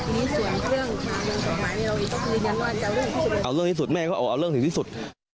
นี่ส่วนเรื่องเอาเรื่องที่สุดแม่ก็เอาเรื่องที่สุด